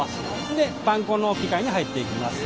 でパン粉の機械に入っていきます。